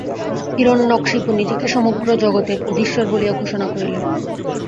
হিরণ্যকশিপু নিজেকে সমগ্র জগতের অধীশ্বর বলিয়া ঘোষণা করিলেন।